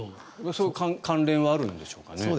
それは関連はあるんでしょうかね。